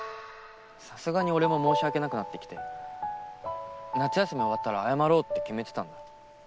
さすがに俺も申し訳なくなってきて夏休み終わったら謝ろうって決めてたんだ